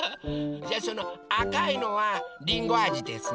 じゃあそのあかいのはりんごあじですね？